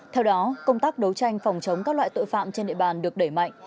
theo đó công tác đấu tranh phòng chống các loại tội phạm trên địa bàn được đẩy mạnh